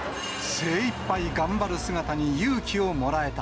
精いっぱい頑張る姿に勇気をもらえた。